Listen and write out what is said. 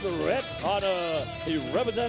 ที่มี๒๑เดือน